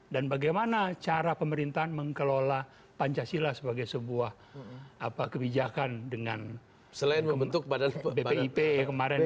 dan bagaimana cara pemerintahan mengkelola pancasila sebagai sebuah kebijakan dengan bpip yang kemarin